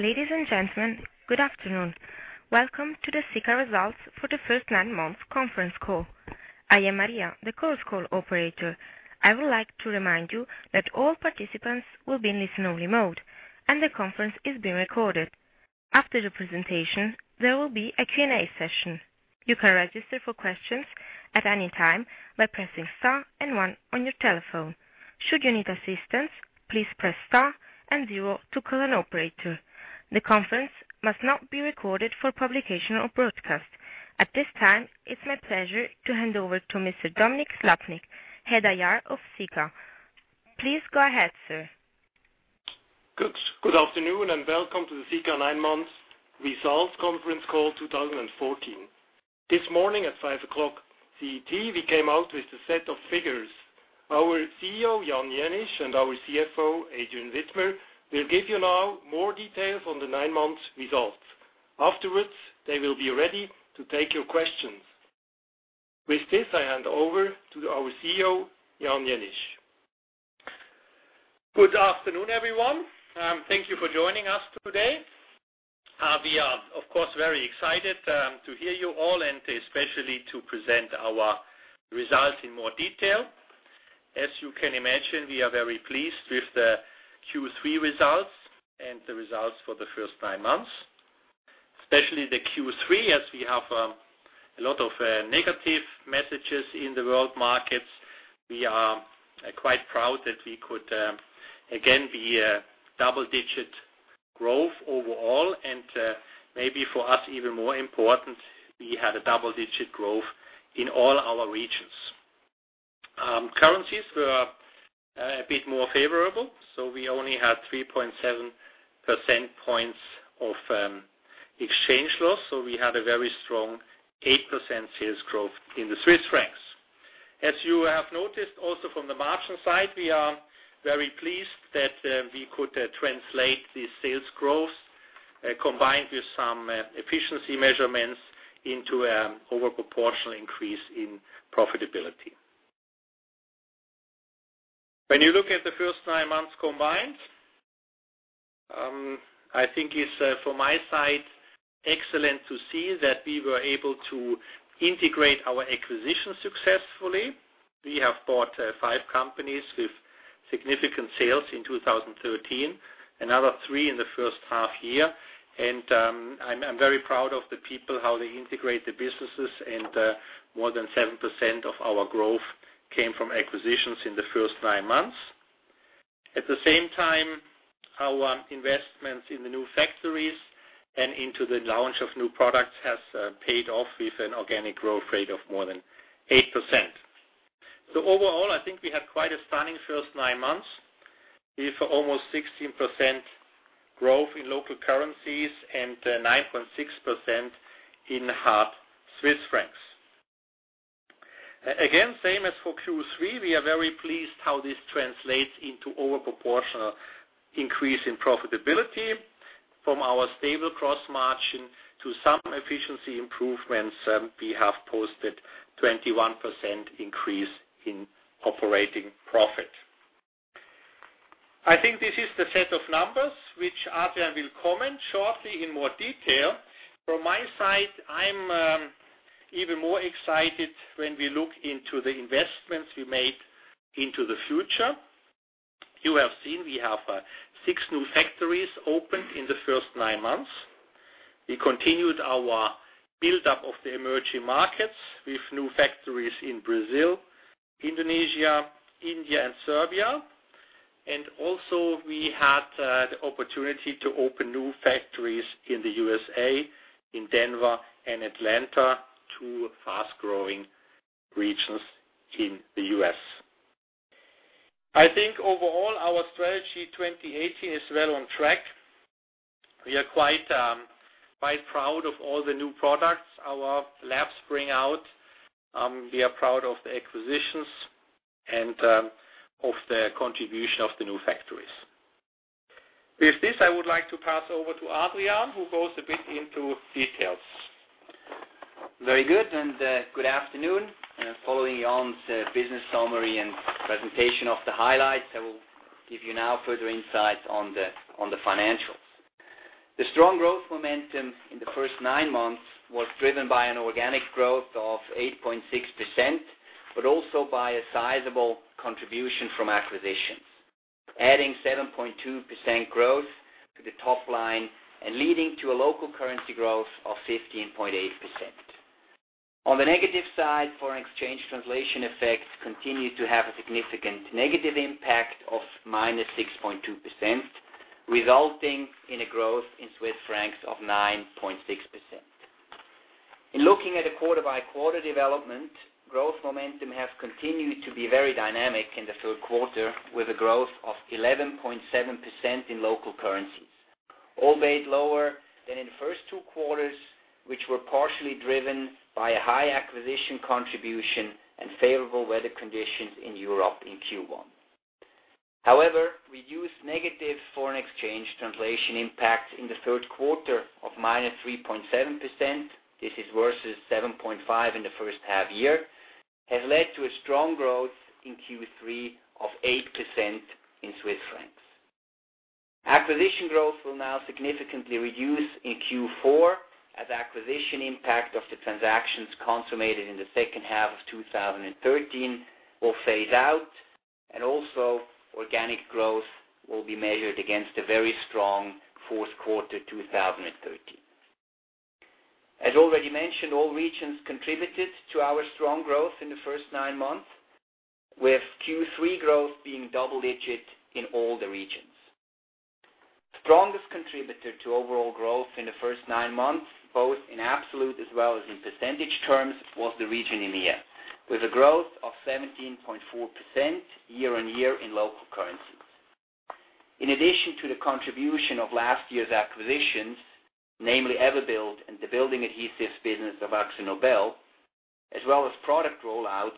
Ladies and gentlemen, good afternoon. Welcome to the Sika Results for the First Nine Months conference call. I am Maria, the conference call operator. I would like to remind you that all participants will be in listen-only mode, and the conference is being recorded. After the presentation, there will be a Q&A session. You can register for questions at any time by pressing star and one on your telephone. Should you need assistance, please press star and zero to call an operator. The conference must not be recorded for publication or broadcast. At this time, it's my pleasure to hand over to Mr. Dominik Slappnig, Head IR of Sika. Please go ahead, sir. Good afternoon. Welcome to the Sika Nine Months Results Conference Call 2014. This morning at 5:00 CET, we came out with a set of figures. Our CEO, Jan Jenisch, and our CFO, Adrian Widmer, will give you now more details on the nine months results. Afterwards, they will be ready to take your questions. With this, I hand over to our CEO, Jan Jenisch. Good afternoon, everyone. Thank you for joining us today. We are, of course, very excited to hear you all and especially to present our results in more detail. As you can imagine, we are very pleased with the Q3 results and the results for the first nine months. Especially the Q3, as we have a lot of negative messages in the world markets. We are quite proud that we could, again, be a double-digit growth overall. Maybe for us, even more important, we had a double-digit growth in all our regions. Currencies were a bit more favorable, we only had 3.7% points of exchange loss. We had a very strong 8% sales growth in the CHF. As you have noticed also from the margin side, we are very pleased that we could translate the sales growth, combined with some efficiency measurements into an overproportional increase in profitability. When you look at the first nine months combined, I think it's, from my side, excellent to see that we were able to integrate our acquisitions successfully. We have bought five companies with significant sales in 2013, another three in the first half year. I'm very proud of the people, how they integrate the businesses, and more than 7% of our growth came from acquisitions in the first nine months. At the same time, our investments in the new factories and into the launch of new products has paid off with an organic growth rate of more than 8%. Overall, I think we had quite a stunning first nine months with almost 16% growth in local currencies and 9.6% in hard CHF. Again, same as for Q3, we are very pleased how this translates into overproportional increase in profitability from our stable gross margin to some efficiency improvements, we have posted 21% increase in operating profit. I think this is the set of numbers which Adrian will comment shortly in more detail. From my side, I am even more excited when we look into the investments we made into the future. You have seen we have six new factories opened in the first nine months. We continued our build-up of the emerging markets with new factories in Brazil, Indonesia, India, and Serbia. Also, we had the opportunity to open new factories in the U.S.A., in Denver and Atlanta, two fast-growing regions in the U.S. I think overall, our Strategy 2018 is well on track. We are quite proud of all the new products our labs bring out. We are proud of the acquisitions and of the contribution of the new factories. With this, I would like to pass over to Adrian, who goes a bit into details. Very good, and good afternoon. Following Jan's business summary and presentation of the highlights, I will give you now further insight on the financials. The strong growth momentum in the first nine months was driven by an organic growth of 8.6% but also by a sizable contribution from acquisitions, adding 7.2% growth to the top line and leading to a local currency growth of 15.8%. On the negative side, foreign exchange translation effects continued to have a significant negative impact of -6.2%, resulting in a growth in CHF of 9.6%. In looking at a quarter-by-quarter development, growth momentum has continued to be very dynamic in the third quarter, with a growth of 11.7% in local currencies, albeit lower than in the first two quarters, which were partially driven by a high acquisition contribution and favorable weather conditions in Europe in Q1. We used negative foreign exchange translation impacts in the third quarter of -3.7%. This is versus 7.5% in the first half year. Has led to a strong growth in Q3 of 8% in CHF. Acquisition growth will now significantly reduce in Q4, as acquisition impact of the transactions consummated in the second half of 2013 will phase out, and also organic growth will be measured against a very strong fourth quarter 2013. As already mentioned, all regions contributed to our strong growth in the first nine months, with Q3 growth being double-digit in all the regions. Strongest contributor to overall growth in the first nine months, both in absolute as well as in percentage terms, was the region EMEA, with a growth of 17.4% year-on-year in local currencies. In addition to the contribution of last year's acquisitions, namely Everbuild and the building adhesives business of AkzoNobel, as well as product roll-outs,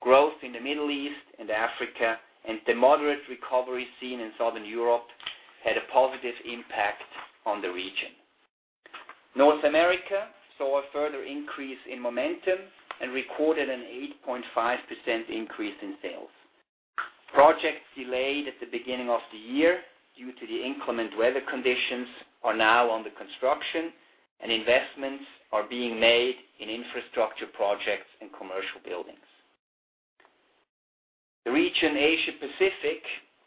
growth in the Middle East and Africa, and the moderate recovery seen in Southern Europe, had a positive impact on the region. North America saw a further increase in momentum and recorded an 8.5% increase in sales. Projects delayed at the beginning of the year due to the inclement weather conditions are now under construction, and investments are being made in infrastructure projects and commercial buildings. The region Asia-Pacific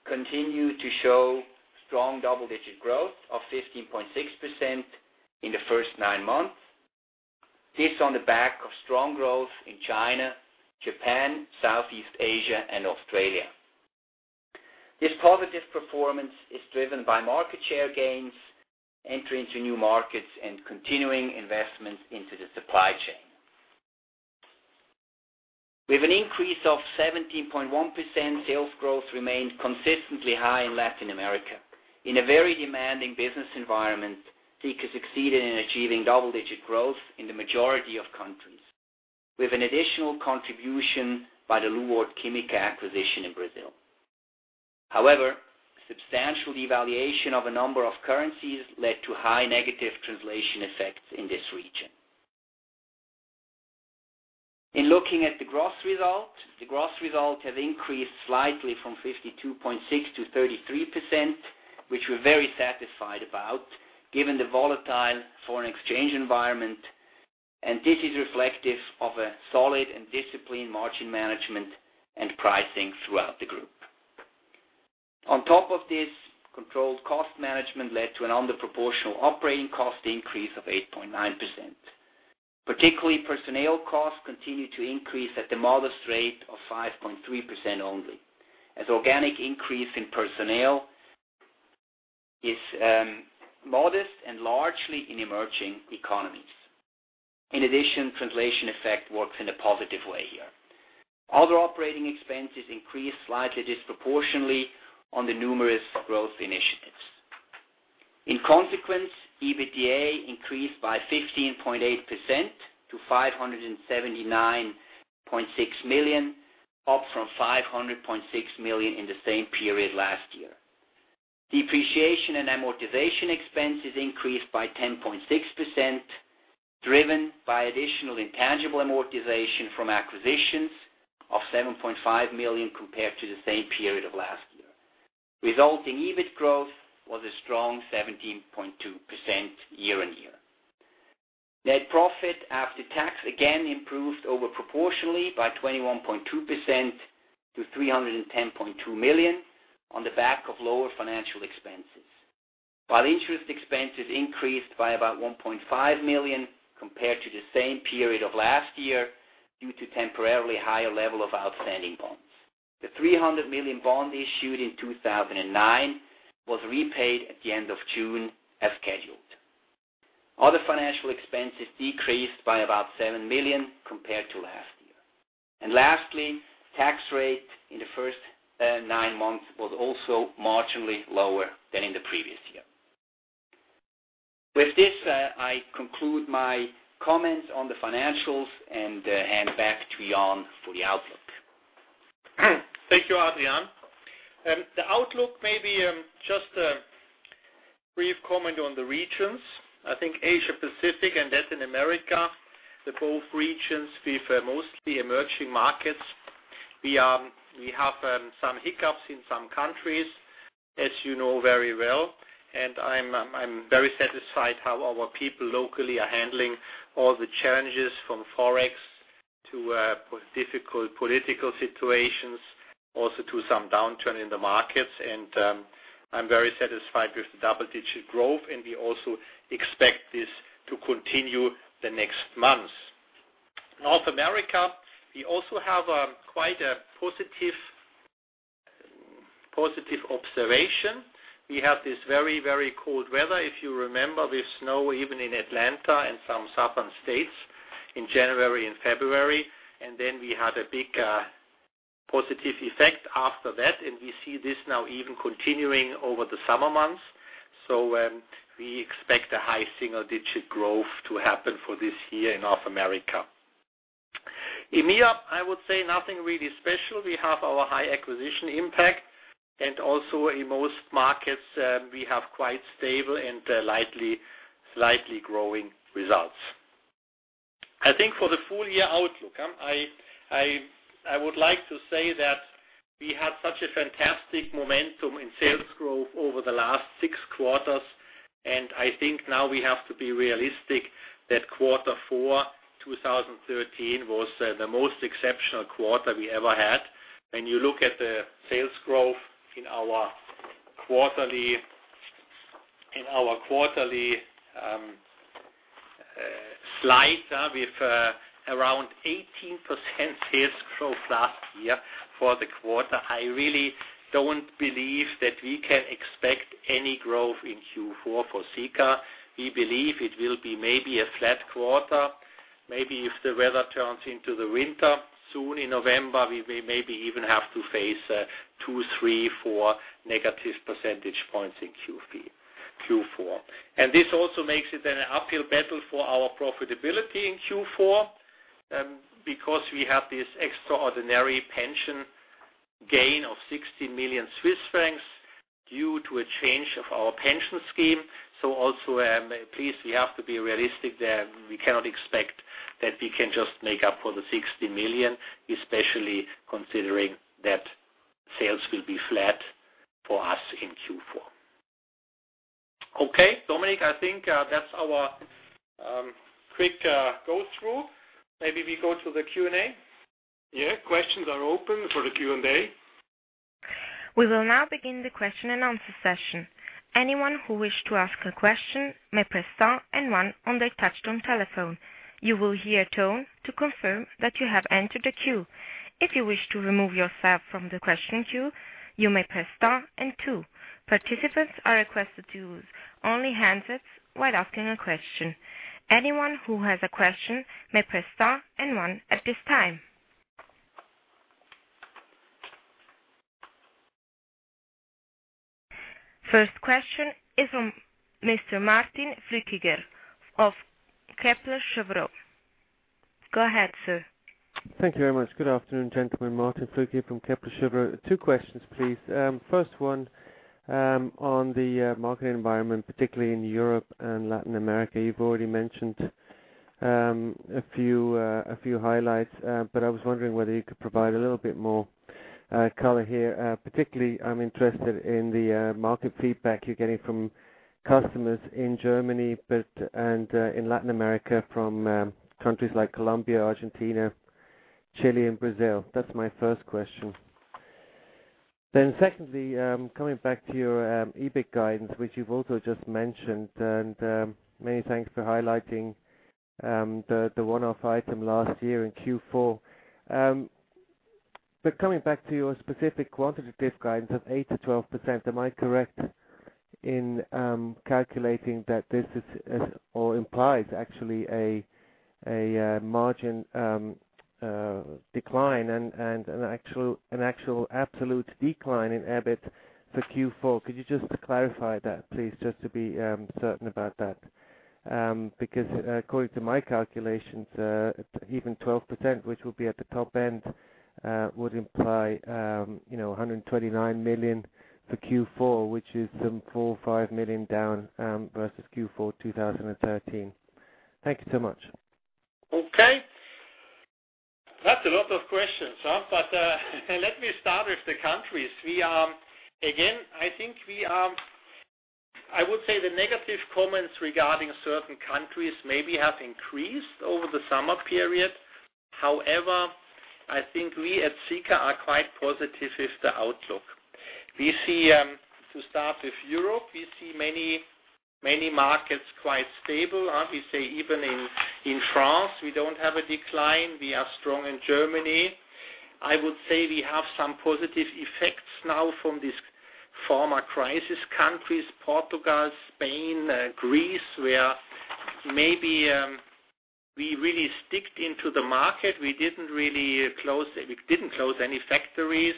continued to show strong double-digit growth of 15.6% in the first nine months. This on the back of strong growth in China, Japan, Southeast Asia, and Australia. This positive performance is driven by market share gains, entry into new markets, and continuing investments into the supply chain. With an increase of 17.1%, sales growth remained consistently high in Latin America. In a very demanding business environment, Sika succeeded in achieving double-digit growth in the majority of countries, with an additional contribution by the Lwart Química acquisition in Brazil. Substantial devaluation of a number of currencies led to high negative translation effects in this region. In looking at the gross result, the gross result has increased slightly from 52.6 to 33%, which we're very satisfied about given the volatile foreign exchange environment. This is reflective of a solid and disciplined margin management and pricing throughout the group. On top of this, controlled cost management led to an under proportional operating cost increase of 8.9%. Particularly, personnel costs continued to increase at the modest rate of 5.3% only, as organic increase in personnel is modest and largely in emerging economies. In addition, translation effect works in a positive way here. Other operating expenses increased slightly disproportionately on the numerous growth initiatives. In consequence, EBITDA increased by 15.8% to 579.6 million, up from 500.6 million in the same period last year. Depreciation and amortization expenses increased by 10.6%, driven by additional intangible amortization from acquisitions of 7.5 million compared to the same period of last year. Resulting EBIT growth was a strong 17.2% year-on-year. Net profit after tax again improved over proportionally by 21.2% to 310.2 million on the back of lower financial expenses. While interest expenses increased by about 1.5 million compared to the same period of last year, due to temporarily higher level of outstanding bonds. The 300 million bond issued in 2009 was repaid at the end of June as scheduled. Other financial expenses decreased by about seven million compared to last year. Lastly, tax rate in the first nine months was also marginally lower than in the previous year. With this, I conclude my comments on the financials and hand back to Jan for the outlook. Thank you, Adrian. The outlook, maybe just a brief comment on the regions. I think Asia-Pacific and Latin America, they're both regions with mostly emerging markets. We have some hiccups in some countries, as you know very well, I'm very satisfied how our people locally are handling all the challenges from Forex to difficult political situations, also to some downturn in the markets. I'm very satisfied with the double-digit growth. We also expect this to continue the next months. North America, we also have quite a positive observation. We have this very, very cold weather. If you remember, we have snow even in Atlanta and some southern states in January and February. Then we had a big positive effect after that. We see this now even continuing over the summer months. We expect a high single-digit growth to happen for this year in North America. EMEA, I would say nothing really special. We have our high acquisition impact. Also in most markets, we have quite stable and slightly growing results. I think for the full year outlook, I would like to say that we had such a fantastic momentum in sales growth over the last 6 quarters. I think now we have to be realistic that quarter four 2013 was the most exceptional quarter we ever had. When you look at the sales growth in our quarterly slide, with around 18% sales growth last year for the quarter. I really don't believe that we can expect any growth in Q4 for Sika. We believe it will be maybe a flat quarter. Maybe if the weather turns into the winter soon in November, we may maybe even have to face a two, three, four negative percentage points in Q4. This also makes it an uphill battle for our profitability in Q4, because we have this extraordinary pension gain of 60 million Swiss francs due to a change of our pension scheme. Also, please, we have to be realistic there. We cannot expect that we can just make up for the 60 million, especially considering that sales will be flat for us in Q4. Okay, Dominik, I think that's our quick go through. Maybe we go to the Q&A. Yeah. Questions are open for the Q&A. We will now begin the question and answer session. Anyone who wishes to ask a question may press star and one on their touchtone telephone. You will hear a tone to confirm that you have entered the queue. If you wish to remove yourself from the question queue, you may press star and two. Participants are requested to use only handsets while asking a question. Anyone who has a question may press star and one at this time. First question is from Mr. Martin Flueckiger of Kepler Cheuvreux. Go ahead, sir. Thank you very much. Good afternoon, gentlemen. Martin Flueckiger from Kepler Cheuvreux. Two questions, please. First one on the market environment, particularly in Europe and Latin America. You've already mentioned a few highlights, but I was wondering whether you could provide a little bit more color here. Particularly, I'm interested in the market feedback you're getting from customers in Germany and in Latin America from countries like Colombia, Argentina, Chile, and Brazil. That's my first question. Secondly, coming back to your EBIT guidance, which you've also just mentioned, and many thanks for highlighting the one-off item last year in Q4. Coming back to your specific quantitative guidance of 8%-12%, am I correct in calculating that this is, or implies actually a margin decline and an actual absolute decline in EBIT for Q4? Could you just clarify that, please, just to be certain about that? Because according to my calculations, even 12%, which will be at the top end, would imply 129 million for Q4, which is some CHF four or five million down versus Q4 2013. Thank you so much. Okay. That's a lot of questions, huh? Let me start with the countries. Again, I would say the negative comments regarding certain countries maybe have increased over the summer period. However, I think we at Sika are quite positive with the outlook. To start with Europe, we see many markets quite stable. We say even in France, we don't have a decline. We are strong in Germany. I would say we have some positive effects now from these former crisis countries, Portugal, Spain, Greece, where maybe we really sticked into the market. We didn't close any factories.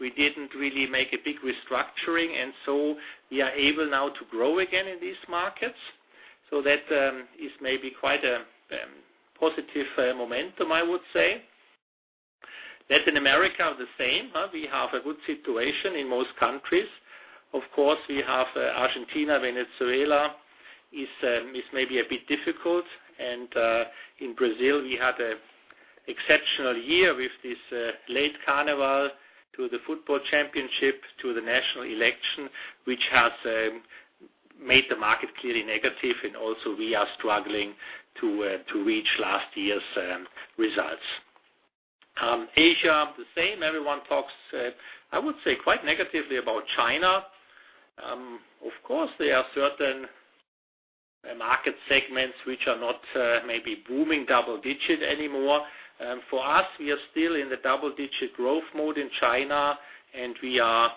We didn't really make a big restructuring, we are able now to grow again in these markets. That is maybe quite a positive momentum, I would say. Latin America, the same. We have a good situation in most countries. Of course, we have Argentina, Venezuela is maybe a bit difficult. In Brazil, we had an exceptional year with this late carnival to the football championship, to the national election, which has made the market clearly negative. We are struggling to reach last year's results. Asia, the same. Everyone talks, I would say, quite negatively about China. Of course, there are certain market segments which are not maybe booming double-digit anymore. For us, we are still in the double-digit growth mode in China, we are,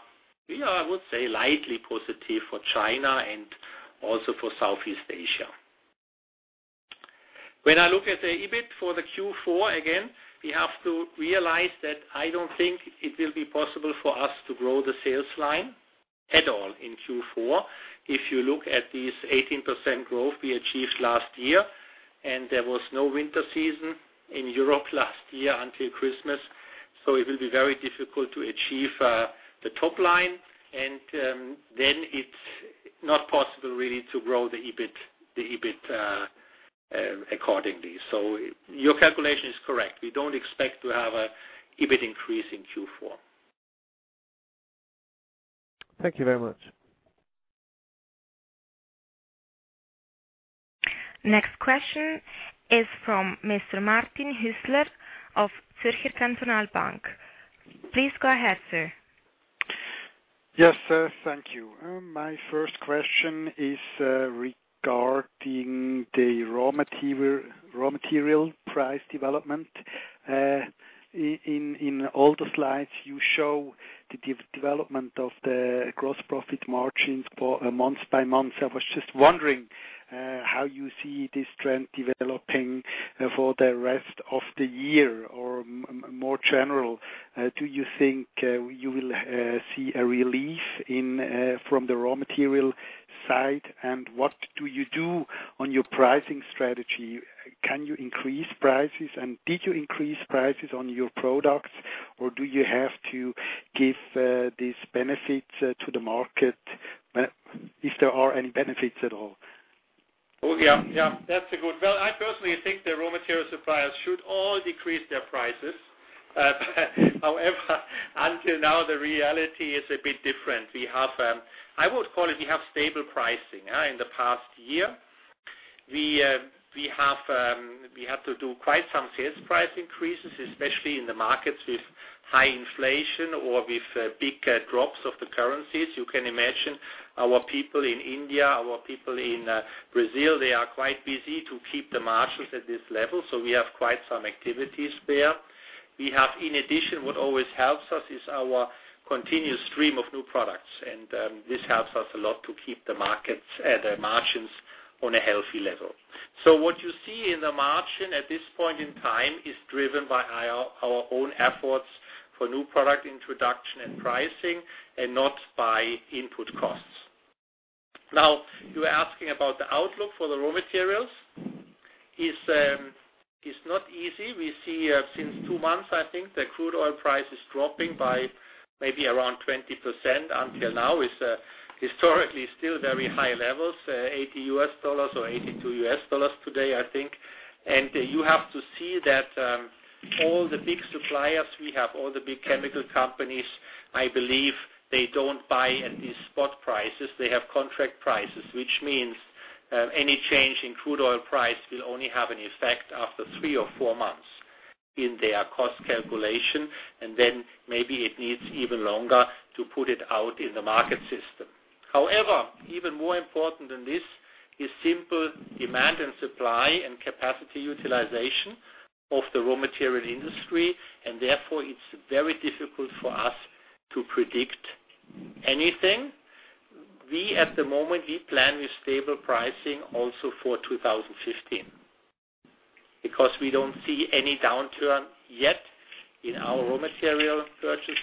I would say, lightly positive for China and also for Southeast Asia. When I look at the EBIT for the Q4, again, we have to realize that I don't think it will be possible for us to grow the sales line At all in Q4. If you look at this 18% growth we achieved last year, there was no winter season in Europe last year until Christmas, it will be very difficult to achieve the top line, it's not possible really to grow the EBIT accordingly. Your calculation is correct. We don't expect to have a EBIT increase in Q4. Thank you very much. Next question is from Mr. Martin Hüsler of Zürcher Kantonalbank. Please go ahead, sir. Yes, thank you. My first question is regarding the raw material price development. In all the slides you show the development of the gross profit margins month by month. I was just wondering how you see this trend developing for the rest of the year. More general, do you think you will see a relief from the raw material side? What do you do on your pricing strategy? Can you increase prices? Did you increase prices on your products? Do you have to give these benefits to the market, if there are any benefits at all? Yeah. I personally think the raw material suppliers should all decrease their prices. However, until now, the reality is a bit different. I would call it we have stable pricing. In the past year, we had to do quite some sales price increases, especially in the markets with high inflation or with big drops of the currencies. You can imagine our people in India, our people in Brazil, they are quite busy to keep the margins at this level. We have quite some activities there. In addition, what always helps us is our continuous stream of new products. This helps us a lot to keep the margins on a healthy level. What you see in the margin at this point in time is driven by our own efforts for new product introduction and pricing, and not by input costs. Now you are asking about the outlook for the raw materials. It's not easy. We see since two months, I think, the crude oil price is dropping by maybe around 20% until now. It's historically still very high levels, $80 or $82 today, I think. You have to see that all the big suppliers we have, all the big chemical companies, I believe they don't buy at these spot prices. They have contract prices, which means any change in crude oil price will only have an effect after three or four months in their cost calculation, and then maybe it needs even longer to put it out in the market system. However, even more important than this is simple demand and supply and capacity utilization of the raw material industry, and therefore it's very difficult for us to predict anything. We, at the moment, we plan with stable pricing also for 2015 because we don't see any downturn yet in our raw material purchases.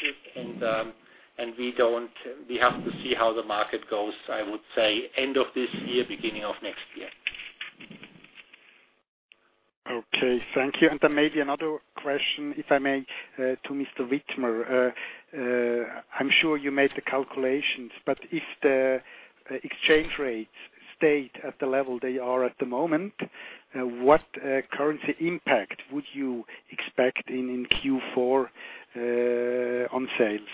We have to see how the market goes, I would say, end of this year, beginning of next year. Okay. Thank you. Maybe another question, if I may, to Mr. Widmer. I'm sure you made the calculations, but if the exchange rates stayed at the level they are at the moment, what currency impact would you expect in Q4 on sales?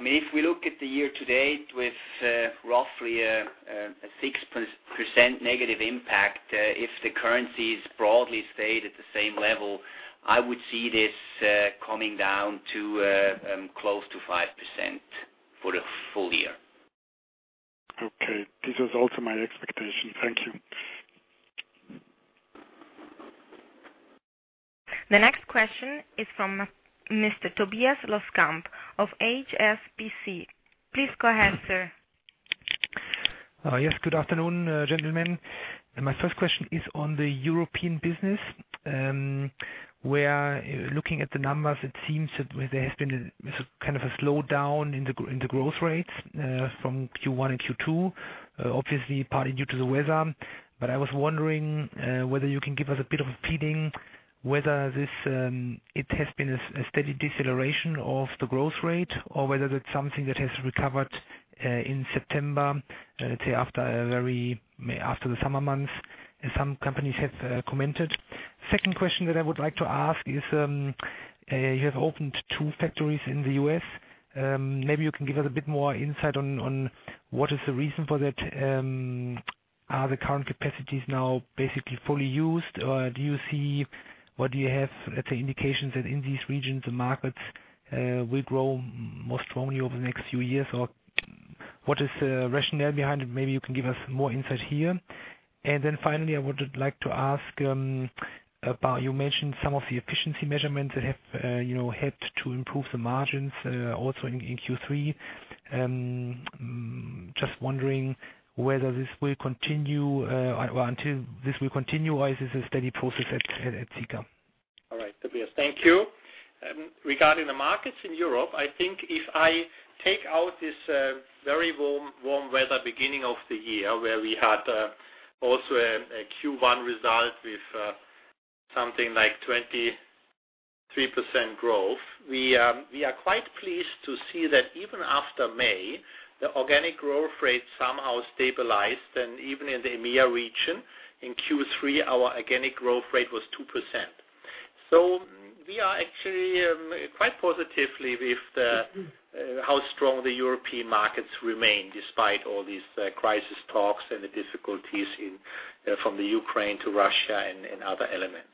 If we look at the year to date with roughly a 6% negative impact, if the currencies broadly stayed at the same level, I would see this coming down to close to 5% for the full year. Okay. This was also my expectation. Thank you. The next question is from Mr. Tobias Loskamp of HSBC. Please go ahead, sir. Yes. Good afternoon, gentlemen. My first question is on the European business, where looking at the numbers, it seems that there has been a kind of a slowdown in the growth rates from Q1 and Q2, obviously partly due to the weather. I was wondering whether you can give us a bit of a feeling whether it has been a steady deceleration of the growth rate or whether that's something that has recovered in September, let's say, after the summer months, as some companies have commented. Second question that I would like to ask is, you have opened two factories in the U.S. Maybe you can give us a bit more insight on what is the reason for that. Are the current capacities now basically fully used? Do you see indications that in these regions, the markets will grow more strongly over the next few years? What is the rationale behind it? Maybe you can give us more insight here. Finally, I would like to ask about, you mentioned some of the efficiency measurements that have helped to improve the margins also in Q3. Just wondering whether this will continue, or is this a steady process at Sika? All right, Tobias, thank you. Regarding the markets in Europe, I think if I take out this very warm weather beginning of the year, where we had also a Q1 result with something like 23% growth. We are quite pleased to see that even after May, the organic growth rate somehow stabilized, and even in the EMEA region in Q3, our organic growth rate was 2%. We are actually quite positively with how strong the European markets remain despite all these crisis talks and the difficulties from the Ukraine to Russia and other elements.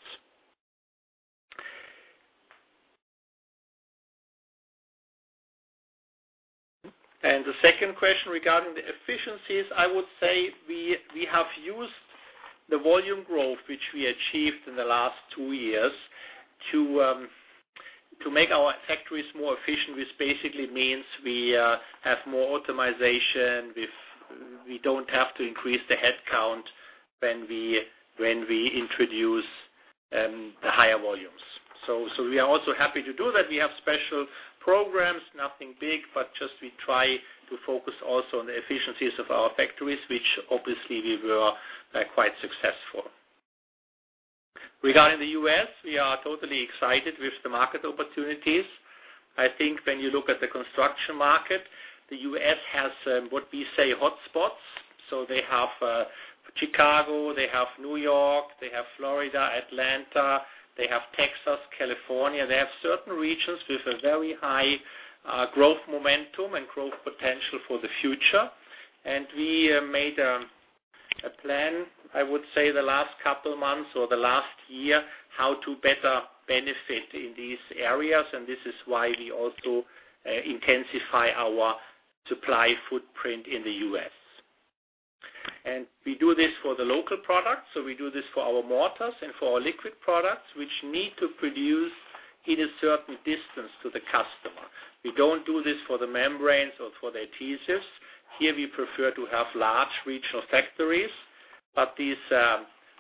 The second question regarding the efficiencies, I would say we have used the volume growth, which we achieved in the last two years, to make our factories more efficient, which basically means we have more optimization. We don't have to increase the headcount when we introduce the higher volumes. We are also happy to do that. We have special programs, nothing big, but just we try to focus also on the efficiencies of our factories, which obviously we were quite successful. Regarding the U.S., we are totally excited with the market opportunities. I think when you look at the construction market, the U.S. has, what we say, hotspots. They have Chicago, they have New York, they have Florida, Atlanta. They have Texas, California. They have certain regions with a very high growth momentum and growth potential for the future. We made a plan, I would say, the last couple of months or the last year, how to better benefit in these areas, and this is why we also intensify our supply footprint in the U.S. We do this for the local products, we do this for our mortars and for our liquid products, which need to produce in a certain distance to the customer. We don't do this for the membranes or for the adhesives. Here, we prefer to have large regional factories. These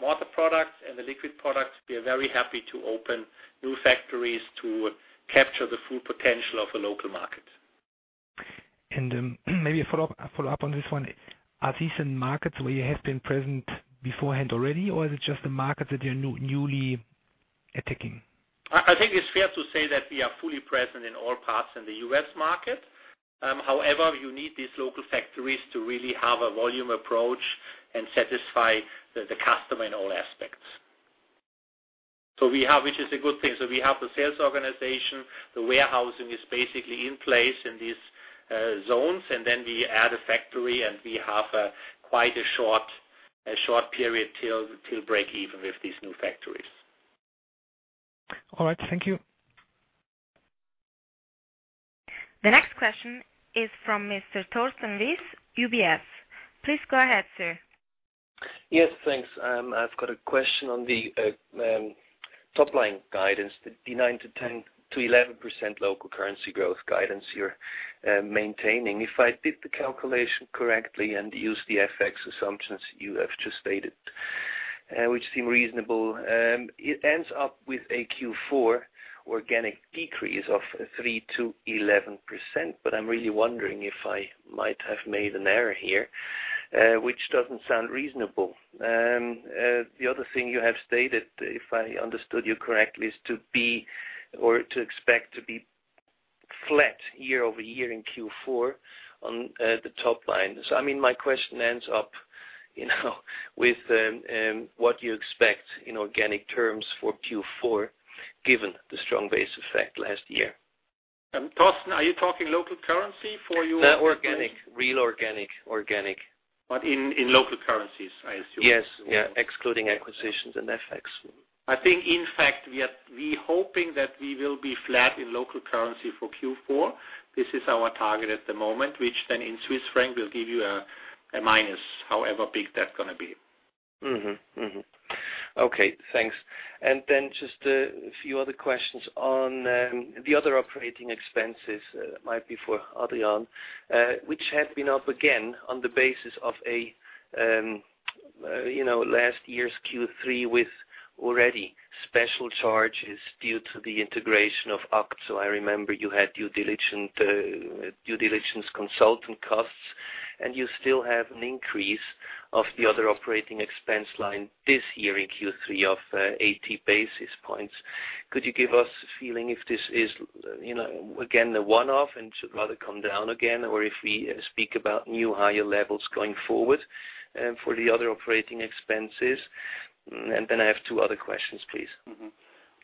mortar products and the liquid products, we are very happy to open new factories to capture the full potential of a local market. Maybe a follow-up on this one. Are these in markets where you have been present beforehand already, or is it just the markets that you're newly attacking? I think it's fair to say that we are fully present in all parts in the U.S. market. However, you need these local factories to really have a volume approach and satisfy the customer in all aspects. Which is a good thing. We have the sales organization. The warehousing is basically in place in these zones, then we add a factory, and we have quite a short period till break even with these new factories. All right. Thank you. The next question is from Mr. Thorsten Wis, UBS. Please go ahead, sir. Yes, thanks. I've got a question on the top-line guidance, the 9%-11% local currency growth guidance you're maintaining. If I did the calculation correctly and used the FX assumptions you have just stated, which seem reasonable, it ends up with a Q4 organic decrease of 3%-11%. I'm really wondering if I might have made an error here, which doesn't sound reasonable. The other thing you have stated, if I understood you correctly, is to be or to expect to be flat year-over-year in Q4 on the top line. I mean, my question ends up with what you expect in organic terms for Q4, given the strong base effect last year. Thorsten, are you talking local currency for your? Organic, real organic. In local currencies, I assume. Yes. Yeah, excluding acquisitions and FX. I think, in fact, we're hoping that we will be flat in local currency for Q4. This is our target at the moment, which then in CHF will give you a minus, however big that's going to be. Okay, thanks. Just a few other questions on the Other Operating Expenses, might be for Adrian Widmer, which have been up again on the basis of last year's Q3 with already special charges due to the integration of ACT. I remember you had due diligence consultant costs, and you still have an increase of the Other Operating Expense line this year in Q3 of 80 basis points. Could you give us a feeling if this is, again, a one-off and should rather come down again, or if we speak about new higher levels going forward for the Other Operating Expenses? I have two other questions, please.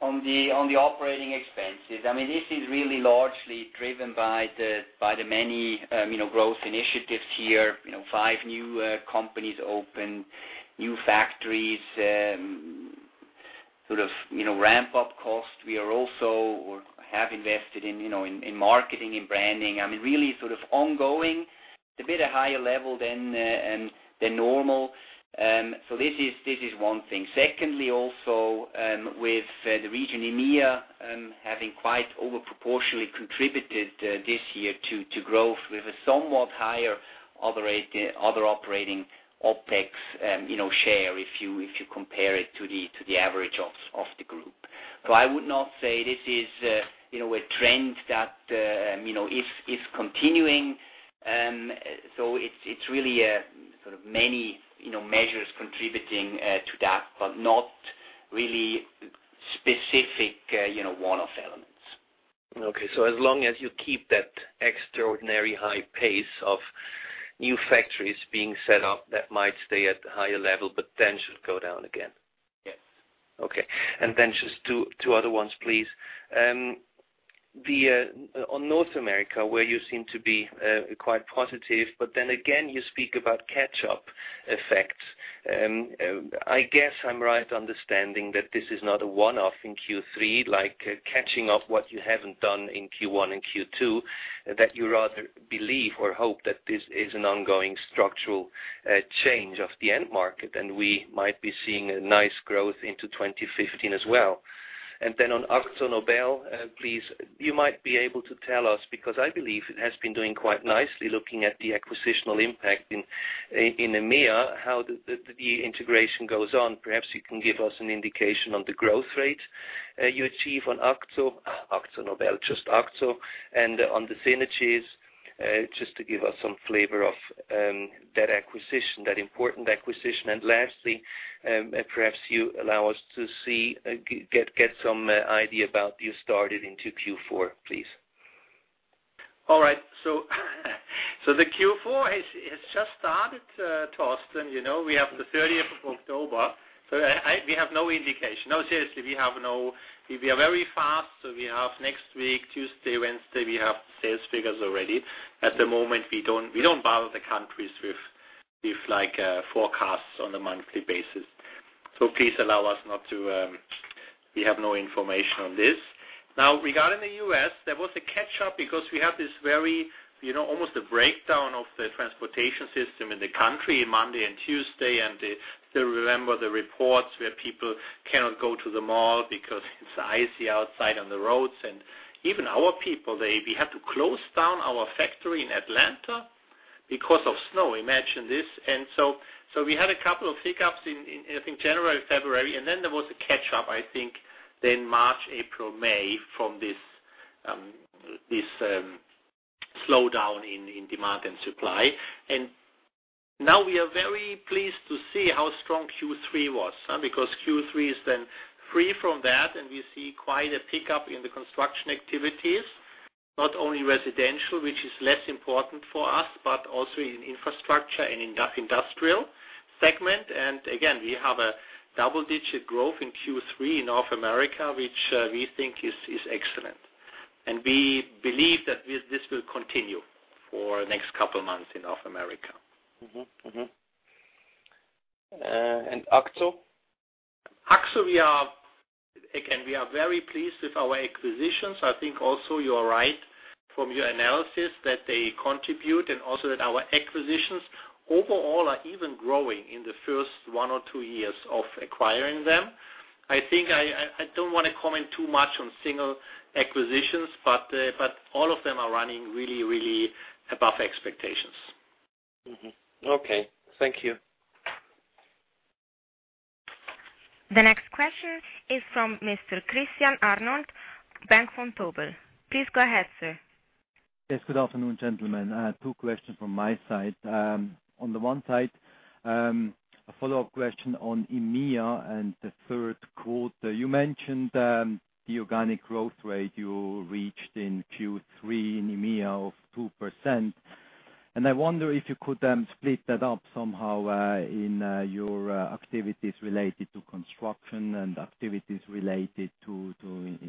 On the operating expenses. This is really largely driven by the many growth initiatives here. Five new companies opened, new factories, sort of ramp-up cost. We have invested in marketing, in branding. I mean, really sort of ongoing. It's a bit higher level than normal. This is one thing. Secondly, also, with the region EMEA having quite over-proportionately contributed this year to growth with a somewhat higher other operating OpEx share, if you compare it to the average of the group I would not say this is a trend that is continuing. It's really many measures contributing to that, but not really specific one-off elements. Okay. As long as you keep that extraordinary high pace of new factories being set up, that might stay at the higher level, but then should go down again. Yes. Okay. Just two other ones, please. On North America, where you seem to be quite positive, but then again you speak about catch-up effects. I guess I'm right understanding that this is not a one-off in Q3, like catching up what you haven't done in Q1 and Q2, that you rather believe or hope that this is an ongoing structural change of the end market, and we might be seeing a nice growth into 2015 as well. On AkzoNobel, please, you might be able to tell us, because I believe it has been doing quite nicely looking at the acquisitional impact in EMEA, how the integration goes on. Perhaps you can give us an indication on the growth rate you achieve on Akzo, AkzoNobel, just Akzo, and on the synergies, just to give us some flavor of that important acquisition. Perhaps you allow us to get some idea about you started into Q4, please. All right. The Q4 has just started, Thorsten. We have the 30th of October. We have no indication. No, seriously, we are very fast, we have next week, Tuesday, Wednesday, we have sales figures already. At the moment, we don't bother the countries with forecasts on a monthly basis. Please allow us, we have no information on this. Regarding the U.S., there was a catch-up because we have this almost a breakdown of the transportation system in the country Monday and Tuesday. Still remember the reports where people cannot go to the mall because it's icy outside on the roads. Even our people, we had to close down our factory in Atlanta because of snow. Imagine this. We had a couple of hiccups in, I think, January, February, there was a catch-up, I think then March, April, May, from this slowdown in demand and supply. Now we are very pleased to see how strong Q3 was. Q3 is then free from that, we see quite a pickup in the construction activities. Not only residential, which is less important for us, but also in infrastructure and industrial segment. Again, we have a double-digit growth in Q3 in North America, which we think is excellent. We believe that this will continue for next couple of months in North America. Mm-hmm. Akzo? Akzo, again, we are very pleased with our acquisitions. I think also you are right from your analysis that they contribute and also that our acquisitions overall are even growing in the first one or two years of acquiring them. I think I don't want to comment too much on single acquisitions, but all of them are running really above expectations. Mm-hmm. Okay. Thank you. The next question is from Mr. Christian Arnold, Bank Vontobel. Please go ahead, sir. Yes, good afternoon, gentlemen. Two questions from my side. On the one side, a follow-up question on EMEA and the third quarter. You mentioned the organic growth rate you reached in Q3 in EMEA of 2%, and I wonder if you could split that up somehow in your activities related to construction and activities related to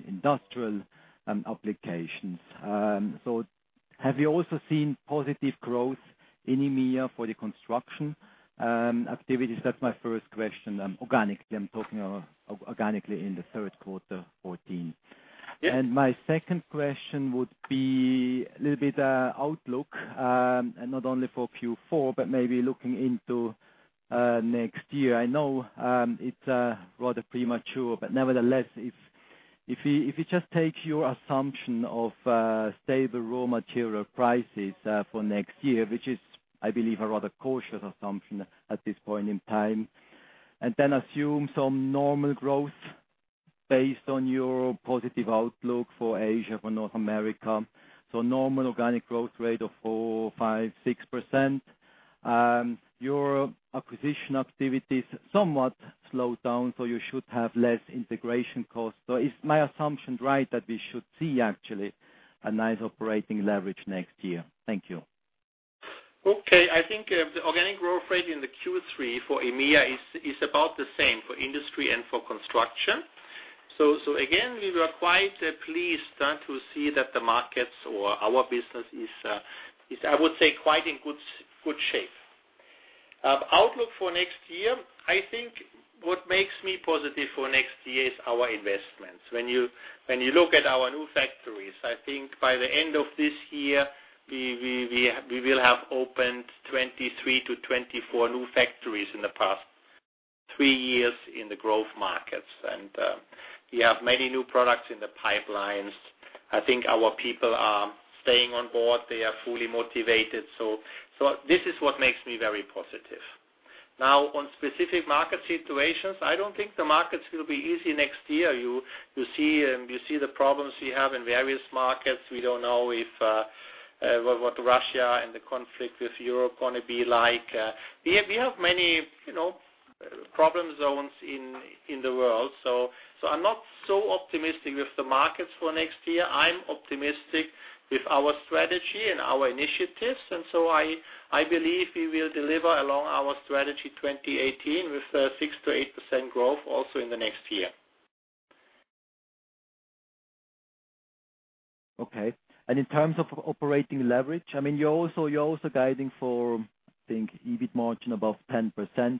industrial applications. Have you also seen positive growth in EMEA for the construction activities? That's my first question. Organically, I'm talking organically in the third quarter 2014. Yeah. My second question would be a little bit outlook, not only for Q4, but maybe looking into next year. I know it's rather premature, but nevertheless, if you just take your assumption of stable raw material prices for next year, which is, I believe, a rather cautious assumption at this point in time, then assume some normal growth based on your positive outlook for Asia, for North America. Normal organic growth rate of 4, 5, 6%. Your acquisition activities somewhat slowed down, you should have less integration costs. Is my assumption right that we should see actually a nice operating leverage next year? Thank you. Okay. I think the organic growth rate in the Q3 for EMEA is about the same for industry and for construction. Again, we were quite pleased to see that the markets or our business is, I would say, quite in good shape. Outlook for next year, I think what makes me positive for next year is our investments. When you look at our new factories, I think by the end of this year, we will have opened 23 to 24 new factories in the past three years in the growth markets. We have many new products in the pipelines. I think our people are staying on board. They are fully motivated. This is what makes me very positive. On specific market situations, I don't think the markets will be easy next year. You see the problems we have in various markets. We don't know what Russia and the conflict with Europe going to be like. We have many problem zones in the world. I'm not so optimistic with the markets for next year. I'm optimistic with our strategy and our initiatives, I believe we will deliver along our Strategy 2018 with 6%-8% growth also in the next year. Okay. In terms of operating leverage, you're also guiding for, I think, EBIT margin above 10%.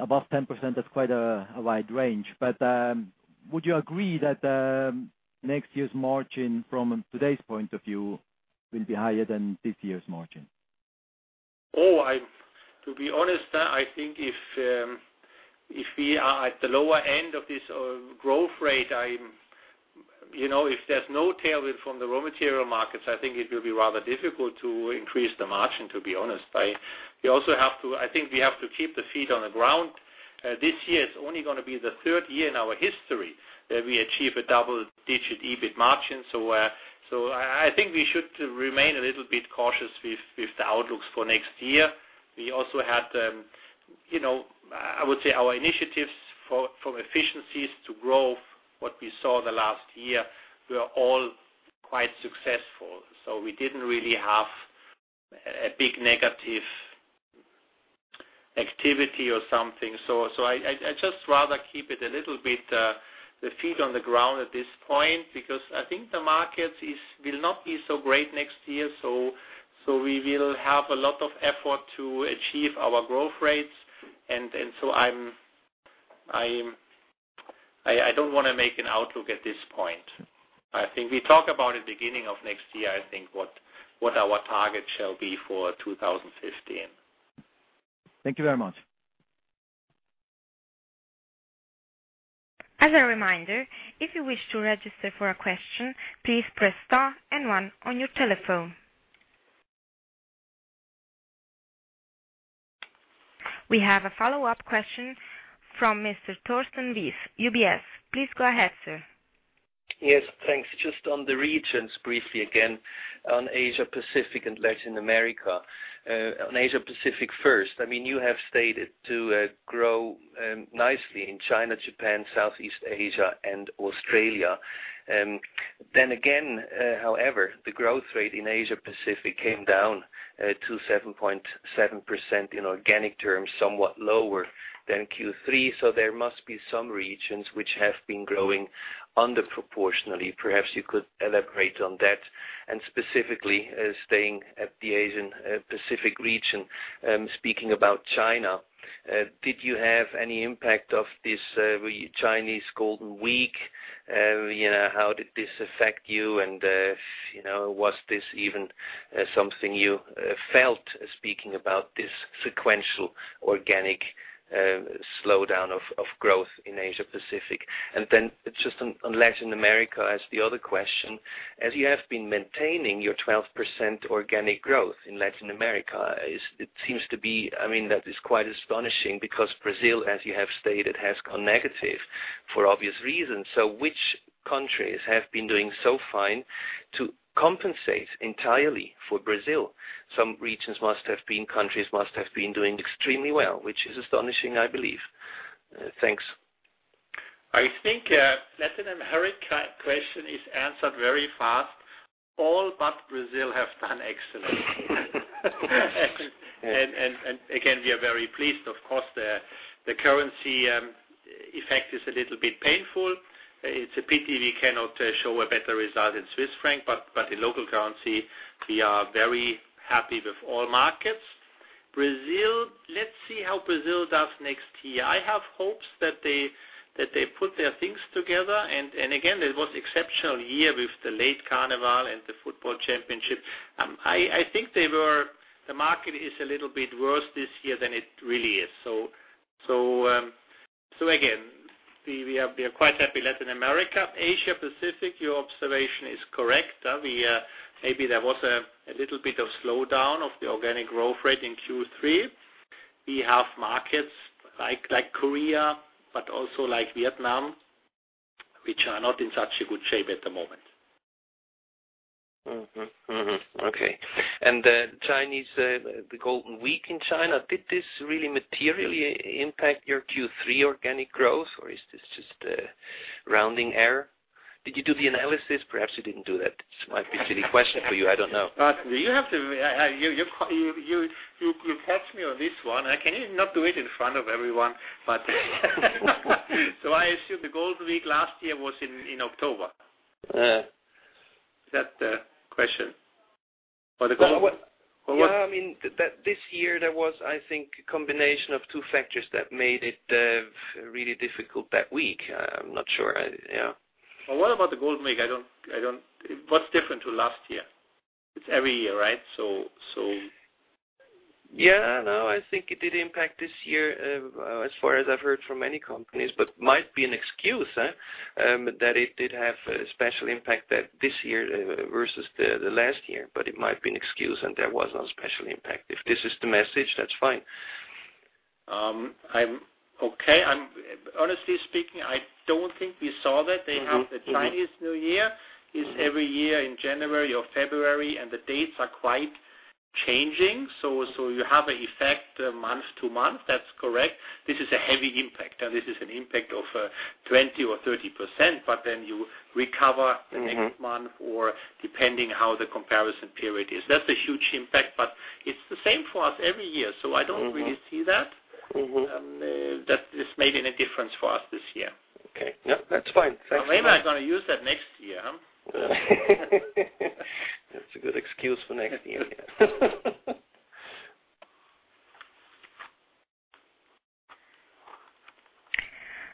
Above 10%, that's quite a wide range. Would you agree that next year's margin from today's point of view will be higher than this year's margin? To be honest, I think if we are at the lower end of this growth rate, if there's no tailwind from the raw material markets, I think it will be rather difficult to increase the margin, to be honest. I think we have to keep the feet on the ground. This year, it's only going to be the third year in our history that we achieve a double-digit EBIT margin. I think we should remain a little bit cautious with the outlooks for next year. We also had, I would say our initiatives from efficiencies to growth, what we saw the last year, were all quite successful. We didn't really have a big negative activity or something. I'd just rather keep it a little bit, the feet on the ground at this point, because I think the markets will not be so great next year. We will have a lot of effort to achieve our growth rates. I don't want to make an outlook at this point. I think we talk about it beginning of next year, I think what our target shall be for 2015. Thank you very much. As a reminder, if you wish to register for a question, please press star and one on your telephone. We have a follow-up question from Mr. Thorsten Wis, UBS. Please go ahead, sir. Yes, thanks. Just on the regions briefly again on Asia-Pacific and Latin America. On Asia-Pacific first. You have stated to grow nicely in China, Japan, Southeast Asia and Australia. Again, however, the growth rate in Asia-Pacific came down to 7.7% in organic terms, somewhat lower than Q3. There must be some regions which have been growing under proportionally. Perhaps you could elaborate on that. Specifically, staying at the Asia-Pacific region, speaking about China, did you have any impact of this Chinese Golden Week? How did this affect you? Was this even something you felt, speaking about this sequential organic slowdown of growth in Asia-Pacific? Just on Latin America as the other question, as you have been maintaining your 12% organic growth in Latin America, that is quite astonishing because Brazil, as you have stated, has gone negative for obvious reasons. Which countries have been doing so fine to compensate entirely for Brazil? Some countries must have been doing extremely well, which is astonishing, I believe. Thanks. I think Latin America question is answered very fast. All but Brazil have done excellent. Again, we are very pleased. Of course, the currency effect is a little bit painful. It's a pity we cannot show a better result in CHF, but in local currency, we are very happy with all markets. Brazil, let's see how Brazil does next year. I have hopes that they put their things together. Again, it was exceptional year with the late carnival and the football championship. I think the market is a little bit worse this year than it really is. Again, we are quite happy, Latin America. Asia-Pacific, your observation is correct. Maybe there was a little bit of slowdown of the organic growth rate in Q3. We have markets like Korea, but also like Vietnam, which are not in such a good shape at the moment. Okay. The Golden Week in China, did this really materially impact your Q3 organic growth, or is this just a rounding error? Did you do the analysis? Perhaps you didn't do that. This might be a silly question for you, I don't know. You catch me on this one. Can you not do it in front of everyone? I assume the Golden Week last year was in October. Yeah. Is that the question? For the Golden Week? Yeah. This year there was, I think, a combination of two factors that made it really difficult that week. I'm not sure. Yeah. What about the Golden Week? What's different to last year? It's every year, right? Yeah, no, I think it did impact this year as far as I've heard from many companies, but might be an excuse, that it did have a special impact this year versus the last year. It might be an excuse and there was no special impact. If this is the message, that's fine. Okay. Honestly speaking, I don't think we saw that. They have the Chinese New Year is every year in January or February, and the dates are quite changing. You have an effect month to month. That's correct. This is a heavy impact. This is an impact of 20% or 30%, but then you recover the next month or depending how the comparison period is. That's a huge impact, but it's the same for us every year, so I don't really see that. That this made any difference for us this year. Okay. No, that's fine. Thanks very much. Maybe I'm going to use that next year, huh? That's a good excuse for next year. Yeah.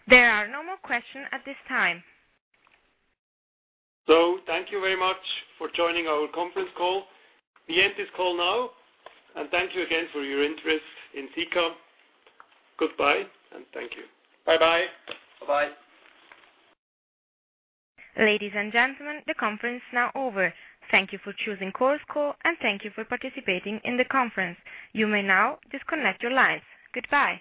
There are no more questions at this time. Thank you very much for joining our conference call. We end this call now. Thank you again for your interest in Sika. Goodbye, and thank you. Bye-bye. Bye-bye. Ladies and gentlemen, the conference is now over. Thank you for choosing Chorus Call, and thank you for participating in the conference. You may now disconnect your lines. Goodbye.